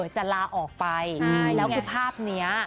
จะลาออกไปแล้วคือภาพนี้